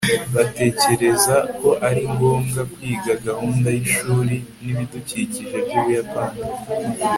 batekereza ko ari ngombwa kwiga gahunda y'ishuri n'ibidukikije by'ubuyapani